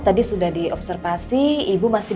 tadi sudah diobservasi ibu masih